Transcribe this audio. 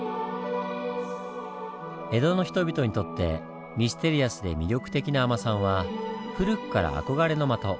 江戸の人々にとってミステリアスで魅力的な海女さんは古くから憧れの的。